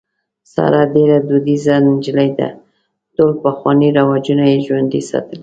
ساره ډېره دودیزه نجلۍ ده. ټول پخواني رواجونه یې ژوندي ساتلي.